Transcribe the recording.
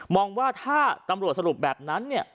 มองว่าถ้าตำรวจสรุปแบบนั้นเนี่ย